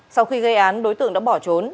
sau khi gây án đối tượng đã bỏ trốn